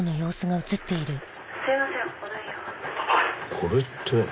これって。